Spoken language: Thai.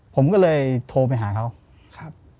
ผมก็เลยโทรไปหาเขา